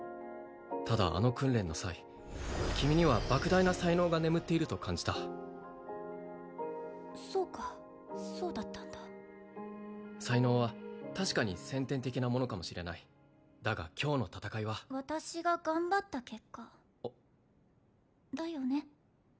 ただあの訓練の際君には莫大な才能が眠っていると感じたそうかそうだったんだ才能は確かに先天的なものかもしれないだが今日の戦いは私が頑張った結果だよね？